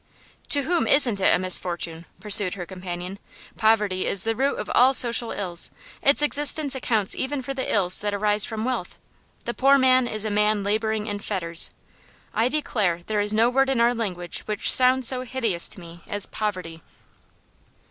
'To whom isn't it a misfortune?' pursued her companion. 'Poverty is the root of all social ills; its existence accounts even for the ills that arise from wealth. The poor man is a man labouring in fetters. I declare there is no word in our language which sounds so hideous to me as "Poverty."